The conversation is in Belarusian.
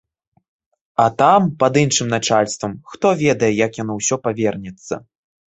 А там, пад іншым начальствам, хто ведае, як яно ўсё павернецца.